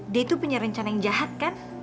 dia tuh punya rencana yang jahat kan